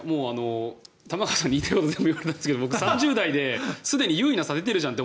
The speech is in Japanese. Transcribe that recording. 玉川さんに言いたいことを全部言われたんですけど僕、３０代ですでに有意な差が出てるじゃんって